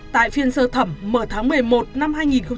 tại phiên sơ thẩm mở tháng một mươi một năm hai nghìn một mươi bảy